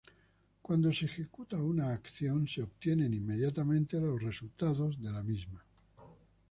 Cuando se ejecuta una acción se obtienen inmediatamente los resultados de dicha acción.